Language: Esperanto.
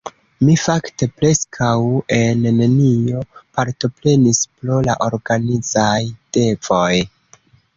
Mi fakte preskaŭ en nenio partoprenis pro la organizaj devoj.